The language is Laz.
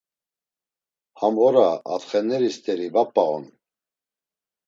Ham ora, atxeneri st̆eri va p̌a on.